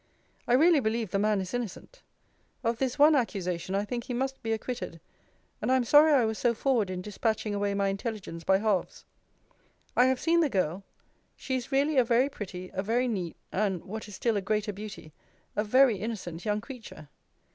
I really believe the man is innocent. Of this one accusation, I think he must be acquitted; and I am sorry I was so forward in dispatching away my intelligence by halves. I have seen the girl. She is really a very pretty, a very neat, and, what is still a greater beauty, a very innocent young creature.